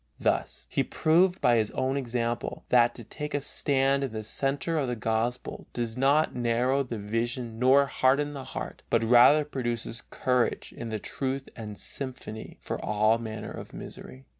Thus he proved by his own example that to take a stand in the center of the Gospel does not narrow the vision nor harden the heart, but rather produces courage in the truth and sympathy for all manner of misery.